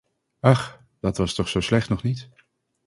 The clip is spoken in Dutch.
Ach, dat was toch zo slecht nog niet!